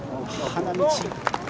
花道。